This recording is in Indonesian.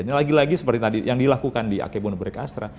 ini lagi lagi seperti tadi yang dilakukan di akebono burekastra